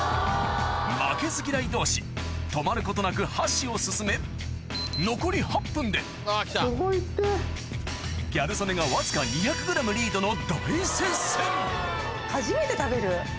負けず嫌い同士止まることなく箸を進め・すごいって・ギャル曽根がわずか２００ｇリードの大接戦初めて食べる。